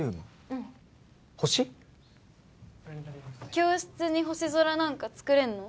うん教室に星空なんか作れんの？